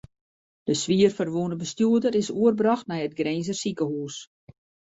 De swier ferwûne bestjoerder is oerbrocht nei it Grinzer sikehús.